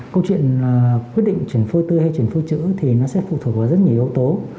câu chuyện quyết định chuyển phôi tư hay chuyển phôi trữ thì nó sẽ phụ thuộc vào rất nhiều yếu tố